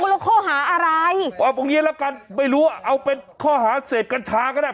แล้วข้อหาอะไรเอาตรงเนี้ยแล้วกันไม่รู้ว่าเอาเป็นข้อหาเสพกัญชาก็ได้